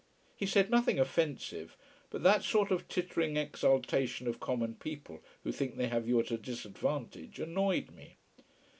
He said nothing offensive: but that sort of tittering exultation of common people who think they have you at a disadvantage annoyed me.